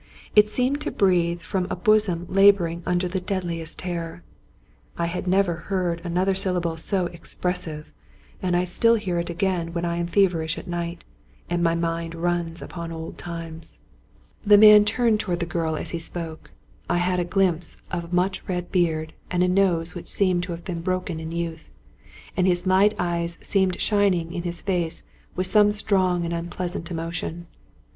It seemed to breathe from a bosom laboring under the deadliest terror ; I have never heard an other syllable so expressive ; and I still hear it again when I am feverish at night, and my mind runs upon old times. 164 Robert Louis Stevenson The man turned toward the girl as he spoke ; I had a glimpse of much red beard and a nose which seemed to have been broken in youth ; and his light eyes seemed shining in his face with some strong and unpleasant emotion.